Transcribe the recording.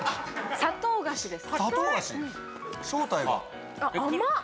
砂糖菓子です。